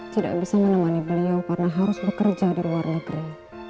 tidak bisa menemani beliau karena harus bekerja di luar negeri